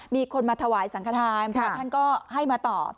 มีคนมาถวายสังขทานพระท่านก็ให้มาต่อ